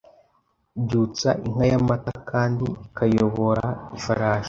Byutsa inka yamata kandi ikayobora ifarashi